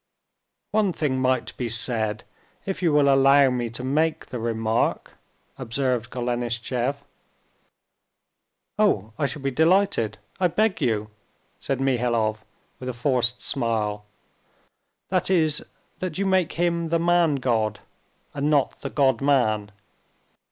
"One thing might be said, if you will allow me to make the remark...." observed Golenishtchev. "Oh, I shall be delighted, I beg you," said Mihailov with a forced smile. "That is, that you make Him the man god, and not the God man.